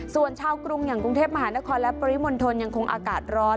ส่วนชาวกรุงอย่างกรุงเทพมหานครและปริมณฑลยังคงอากาศร้อน